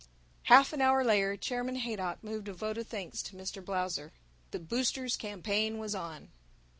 Half an hour later Chairman Haydock moved a vote of thanks to Mr. Blausser. The boosters' campaign was on.